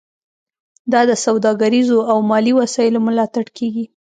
دا د سوداګریزو او مالي وسایلو ملاتړ کیږي